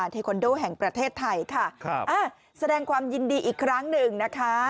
เทคอนโดแห่งประเทศไทยค่ะครับแสดงความยินดีอีกครั้งหนึ่งนะคะ